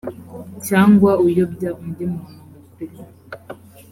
cyangwa uyobya undi muntu mukuru